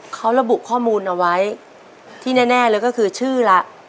เขาระบุข้อมูลเอาไว้ที่แน่เลยก็คือชื่อละ